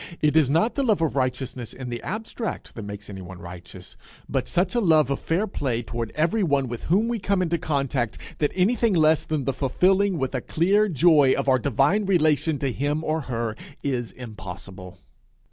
It is not the love of righteousness in the abstract that makes anyone righteous, but such a love of fairplay toward everyone with whom we come into contact, that anything less than the fulfilling, with a clear joy, of our divine relation to him or her, is impossible.